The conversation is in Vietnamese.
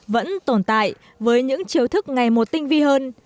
vẫn tồn tại với những chiêu thức ngày một tinh vi hơn